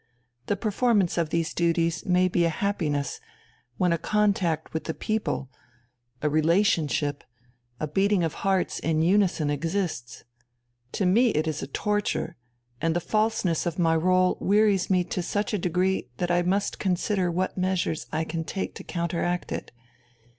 The performance of these duties may be a happiness when a contact with the people, a relationship, a beating of hearts in unison exists. To me it is a torture, and the falseness of my rôle wearies me to such a degree that I must consider what measures I can take to counteract it.